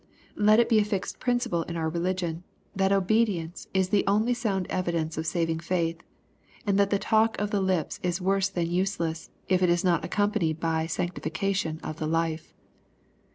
Let it be a fixed principle in our religion, that obedience is the only sound evidence of saving faith, and that the talk of the lips is worse than useless, if it is not accompanied by sanctification of the life.